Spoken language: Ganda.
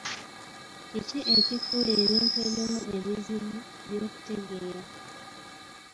Kiki ekifuula ebintu ebimu ebizibu by'okutegeera?